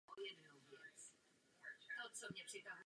Působí ve většině Evropy.